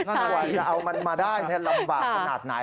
กว่าจะเอามันมาได้ลำบากขนาดไหน